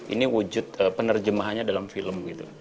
ini wujud penerjemahannya dalam film gitu